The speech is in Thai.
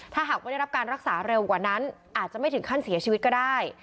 ถ้าหากไม่ได้รับการรักษาเร็วกว่านั้นอาจจะไม่ถึงขั้นเสียชีวิตก็ได้